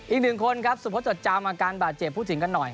อีกหนึ่งคนครับสุพธจดจำอาการบาดเจ็บพูดถึงกันหน่อย